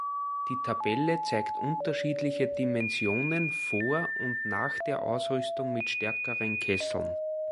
Die Tabelle zeigt unterschiedliche Dimensionen vor und nach der Ausrüstung mit stärkeren Kesseln.